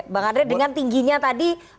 bang andre dengan tingginya tadi